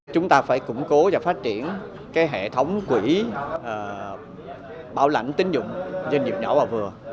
chúng ta phải củng cố và phát triển hệ thống quỹ bảo lãnh tín dụng doanh nghiệp nhỏ và vừa